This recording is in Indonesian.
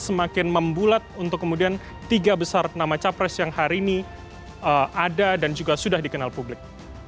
semakin membulat untuk kemudian tiga besar nama capres yang hari ini ada dan juga sudah dikenal publik